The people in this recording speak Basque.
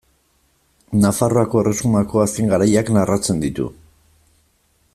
Nafarroako erresumako azken garaiak narratzen ditu.